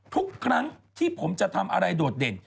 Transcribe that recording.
ทุกครั้งที่ผมจะทำอะไรโดดเด่น